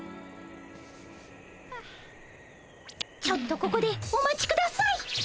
ちょっとここでお待ちください！